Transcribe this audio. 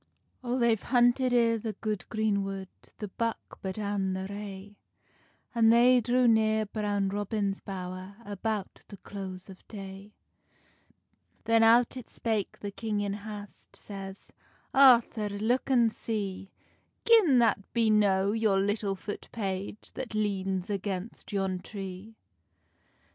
O they've hunted i the good green wood The buck but an the rae, An they drew near Brown Robin's bowr, About the close of day. Then out it spake the king in hast, Says, "Arthur look an see Gin that be no your little foot page That leans against yon tree."